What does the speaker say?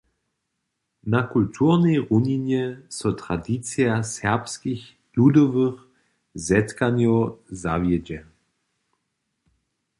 Na kulturnej runinje so tradicija serbskich ludowych zetkanjow zawjedźe.